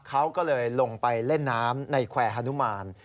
เขาก็เลยลงไปเล่นน้ำในแควร์ฮานุมาน